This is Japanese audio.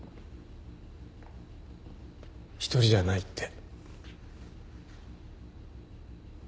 一人じゃないって。